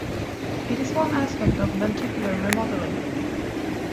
It is one aspect of ventricular remodeling.